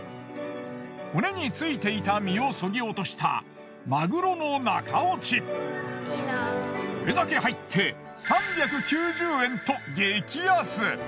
骨についていた身をそぎ落としたこれだけ入って３９０円と激安。